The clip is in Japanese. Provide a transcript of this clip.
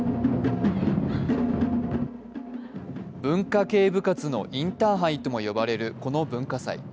文化系部活のインターハイのインターハイとも呼ばれるこの文化祭。